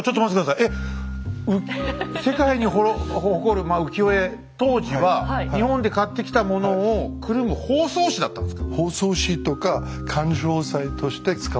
えっ世界に誇る浮世絵当時は日本で買ってきたものをくるむ包装紙だったんですか？